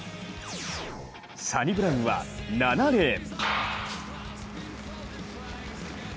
サニブラウンは７レーン。